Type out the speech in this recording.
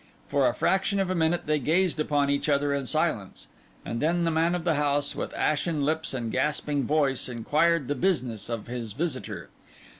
For a fraction of a minute they gazed upon each other in silence; and then the man of the house, with ashen lips and gasping voice, inquired the business of his visitor.